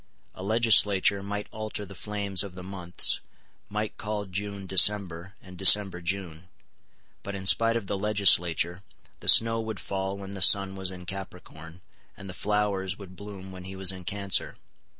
A legislature might alter the flames of the months, might call June December, and December June; but, in spite of the legislature, the snow would fall when the sun was in Capricorn, and the flowers would bloom when he was in Cancer.